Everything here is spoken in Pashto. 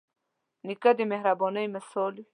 نیکه د مهربانۍ مثال وي.